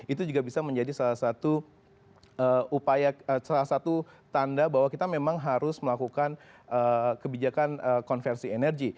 itu juga bisa menjadi salah satu tanda bahwa kita memang harus melakukan kebijakan konversi energi